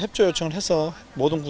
kami juga ingin menikmati pertandingan